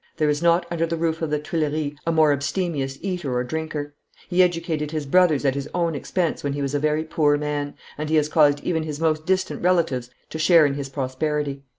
There is not under the roof of the Tuileries a more abstemious eater or drinker. He educated his brothers at his own expense when he was a very poor man, and he has caused even his most distant relatives to share in his prosperity.